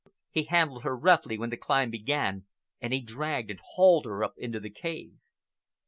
He handled her roughly when the climb began, and he dragged and hauled her up into the cave.